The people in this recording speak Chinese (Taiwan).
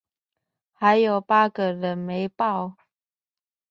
還有八個人沒報